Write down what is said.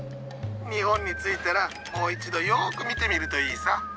日本に着いたらもう一度よく見てみるといいさ。